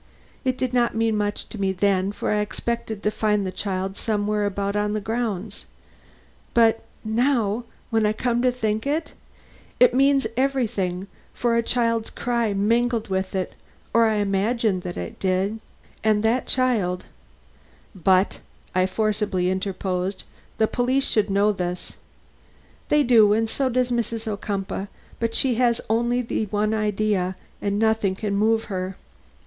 It did not mean much to me then, for I expected to find the child somewhere about the grounds; but now, when I come to think, it means everything, for a child's cry mingled with it (or I imagined that it did) and that child " "But," I forcibly interposed, "the police should know this." "They do; and so does Mrs. Ocumpaugh; but she has only the one idea, and nothing can move her."